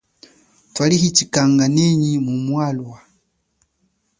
Twali chikanga nenyi mu mamwalwa.